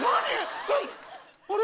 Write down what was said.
あれ？